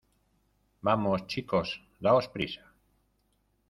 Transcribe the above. ¡ vamos, chicos! ¡ daos prisa !